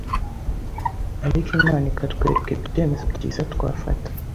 ariko Imana ikatwereka ibyemezo byiza twafata